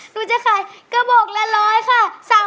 หนูจะขายกระโบกส่ง๑๐๐บาทค่ะ